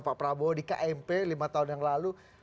pak prabowo di kmp lima tahun yang lalu